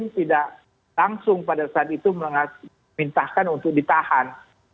tidak langsung pada saat itu meminta untuk ditahan